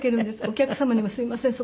お客様にもすいません